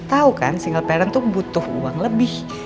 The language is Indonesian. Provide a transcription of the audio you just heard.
ibu tau kan single parent tuh butuh uang lebih